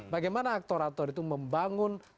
bagaimana aktor aktor itu membangun